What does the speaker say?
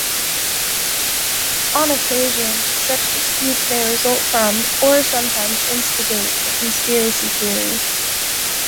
On occasion, such disputes may result from, or sometimes instigate, a conspiracy theory.